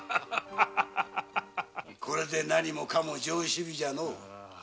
これで何もかも上首尾じゃの。